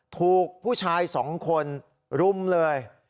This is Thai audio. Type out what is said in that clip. ถูกผู้ชาย๒คนรุมเลย